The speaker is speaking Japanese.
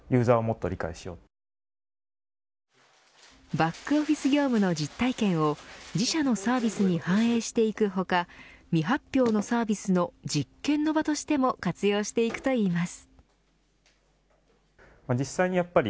バックオフィス業務の実体験を自社のサービスに反映していく他未発表のサービスの実験の場としても活用していくといいます。